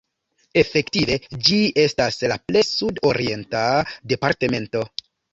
Efektive ĝi estas la plej sud-orienta departemento.